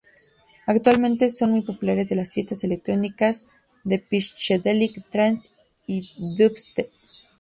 Actualmente son muy populares las fiestas electrónicas de Psychedelic trance y Dubstep.